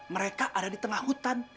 mereka ada di tengah hutan